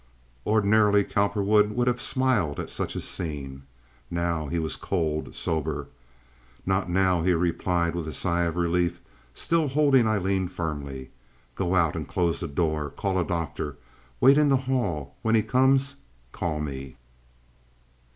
Ordinarily Cowperwood would have smiled at such a scene. Now he was cold, sober. "Not now," he replied, with a sigh of relief, still holding Aileen firmly. "Go out and close the door. Call a doctor. Wait in the hall. When he comes, call me."